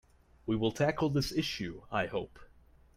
We will tackle this issue, I hope.